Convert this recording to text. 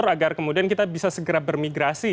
agar kemudian kita bisa segera bermigrasi